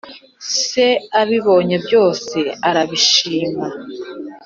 Se abibonye byose arabishima,